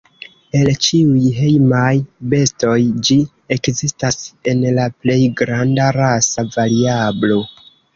El ĉiuj hejmaj bestoj ĝi ekzistas en la plej granda rasa variablo.